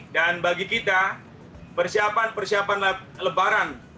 dan bagi kita persiapan persiapan lebaran